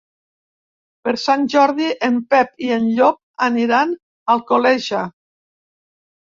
Per Sant Jordi en Pep i en Llop aniran a Alcoleja.